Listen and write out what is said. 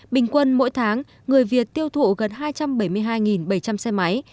bình quân mỗi tháng người việt tiêu thụ gần hai trăm bảy mươi hai bảy trăm linh xe máy